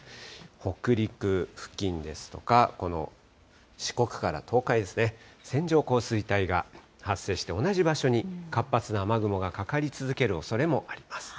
北陸付近ですとか、この四国から東海ですね、線状降水帯が発生して、同じ場所に活発な雨雲がかかり続けるおそれもあります。